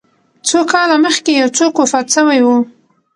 څو کاله مخکي یو څوک وفات سوی و